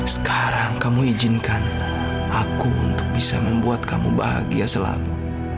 sekarang kamu izinkan aku untuk bisa membuat kamu bahagia selalu